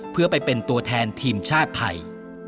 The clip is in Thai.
เพื่อไปเป็นตัวแทนทีมชาติไทย